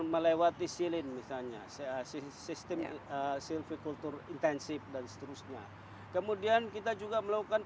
melewati silin misalnya seasi sistemnya silvicultur intensif dan seterusnya kemudian kita juga melakukan